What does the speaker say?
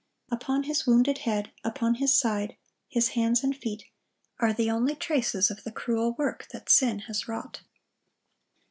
Upon His wounded head, upon His side, His hands and feet, are the only traces of the cruel work that sin has wrought.